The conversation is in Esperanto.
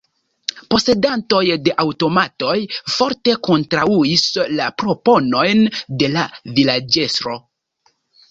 Posedantoj de aŭtomatoj forte kontraŭis la proponojn de la vilaĝestro.